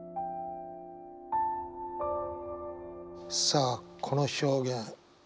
さあこの表現。